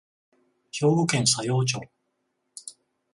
兵庫県佐用町